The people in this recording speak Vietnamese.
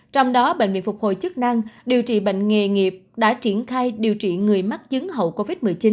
trong đó bệnh viện phục hồi chức năng điều trị bệnh nghề nghiệp đã triển khai điều trị người mắc chứng hậu covid một mươi chín